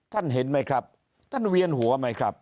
เห็นไหมครับท่านเวียนหัวไหมครับ